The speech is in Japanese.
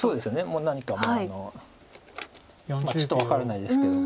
もう何かちょっと分からないですけど。